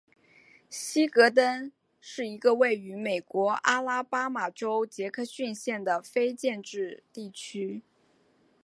希格登是一个位于美国阿拉巴马州杰克逊县的非建制地区。